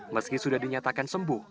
meski sudah dinyatakan sembuh